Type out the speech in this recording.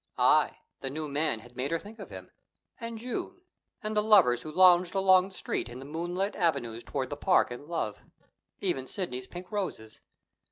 Aye, the new man had made her think of him, and June, and the lovers who lounged along the Street in the moonlit avenues toward the park and love; even Sidney's pink roses.